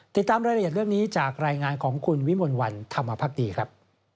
ติดตามรายละเอียดเรื่องนี้จากรายงานของคุณวิมลวันธรรมภักดีครับ